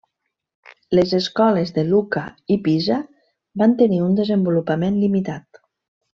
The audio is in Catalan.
Les escoles de Lucca i Pisa van tenir un desenvolupament limitat.